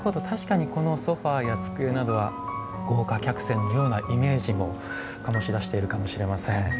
確かにこのソファーや机などは豪華客船のようなイメージも醸し出しているかもしれません。